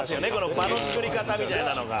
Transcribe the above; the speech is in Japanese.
場のつくり方みたいなのが。